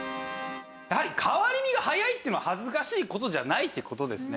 やはり変わり身が早いっていうのは恥ずかしい事じゃないって事ですね。